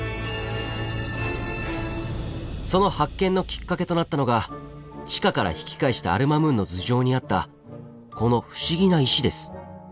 その発見のきっかけとなったのが地下から引き返したアル・マムーンの頭上にあったこの不思議な石です。